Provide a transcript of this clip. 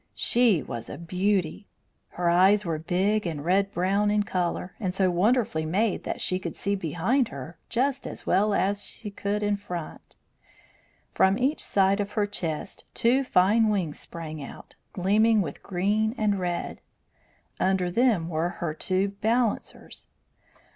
She was a beauty. Her eyes were big and red brown in colour, and so wonderfully made that she could see behind her just as well as in front. From each side of her chest two fine wings sprang out, gleaming with green and red; under them were her two balancers.